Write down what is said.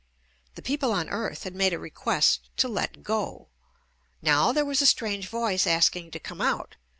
The people on earth had made a request to "let go." Now there was a strange voice asking to come out